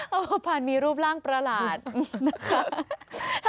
เพราะว่าพันธุ์มีรูปร่างประหลาดนะคะ